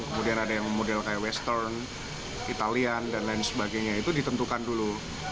kemudian ada yang model kayak western italian dan lain sebagainya itu ditentukan dulu